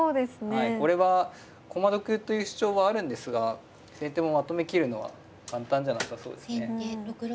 はいこれは駒得という主張はあるんですが先手もまとめきるのは簡単じゃなさそうですね。